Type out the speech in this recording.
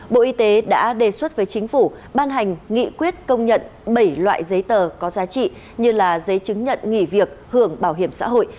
bộ y tế đã đề xuất với chính phủ ban hành nghị quyết công nhận bảy loại giấy tờ có giá trị như là giấy chứng nhận nghỉ việc hưởng bảo hiểm xã hội